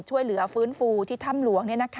ช่วยเหลือฟื้นฟูที่ถ้ำหลวง